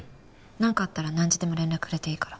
なんかあったら何時でも連絡くれていいから。